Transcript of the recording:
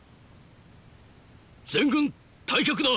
全軍退却だ！